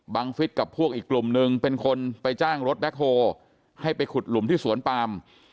ฟิศกับพวกอีกกลุ่มนึงเป็นคนไปจ้างรถแบ็คโฮให้ไปขุดหลุมที่สวนปาม